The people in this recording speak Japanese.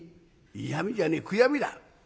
「嫌みじゃねえ悔やみだ。